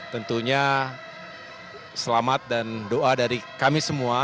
tentunya selamat dan doa dari kami semua